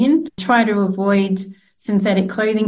kita mencoba untuk mengelakkan pakaian sintetik jika kita bisa